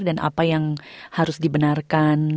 dan apa yang harus dibenarkan